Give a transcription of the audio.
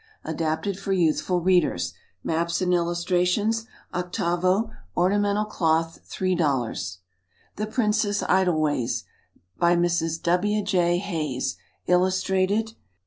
Adapted for Youthful Readers. Maps and Illustrations. 8vo, Ornamental Cloth, $3.00. The Princess Idleways. By Mrs. W. J. HAYS. Illustrated.